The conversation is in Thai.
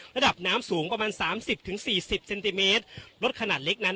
ระดับน้ำสูงประมาณสามสิบถึงสี่สิบเซนติเมตรรถขนาดเล็กนั้น